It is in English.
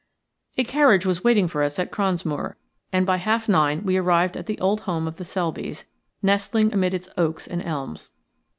A carriage was waiting for us at Cronsmoor, and by half past nine we arrived at the old home of the Selbys, nestling amid its oaks and elms.